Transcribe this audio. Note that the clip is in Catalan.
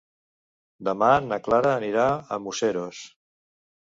Demà na Clara anirà a Museros.